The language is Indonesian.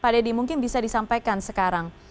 pak deddy mungkin bisa disampaikan sekarang